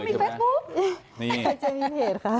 ไข่เจียวมีเทศค่ะ